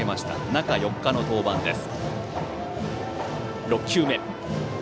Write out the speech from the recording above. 中４日の登板です。